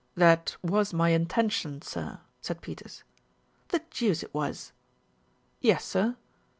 "That was my intention, sir," said Peters. "The deuce it was !" "Yes, sir."